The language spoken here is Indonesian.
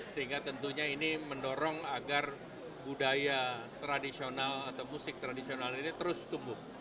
sehingga tentunya ini mendorong agar budaya tradisional atau musik tradisional ini terus tumbuh